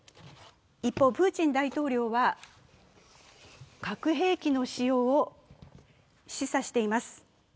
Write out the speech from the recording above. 一方、プーチン大統領は核兵器の使用を示唆しています。